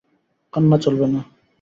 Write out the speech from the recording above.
কান্না চলবে না।